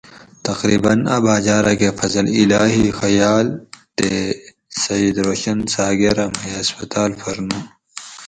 تقریباً اۤ باجا راۤ کہ فضل اِلٰہی خیا۟ل تے سعید روشن سا۟گرہ مئ ھسپتال پھر نو